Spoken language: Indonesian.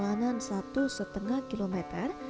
selamat berjalan satu setengah kilometer